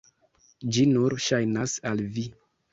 Ĝi nur ŝajnas al vi!